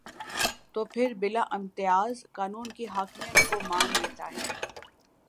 تو پھر بلا امتیاز قانون کی حاکمیت کو مان لیتا ہے۔